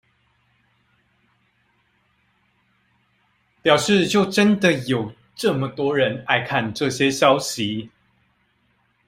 表示就真的有這麼多人愛看這些消息